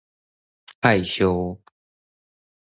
害羞